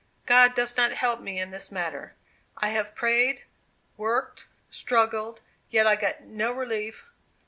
"God does not help me in this matter. I have prayed, worked, struggled, yet I get no relief.